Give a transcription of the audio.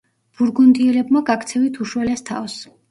ბურგუნდიელებმა გაქცევით უშველეს თავს.